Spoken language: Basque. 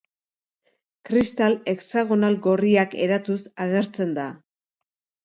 Kristal hexagonal gorriak eratuz agertzen da.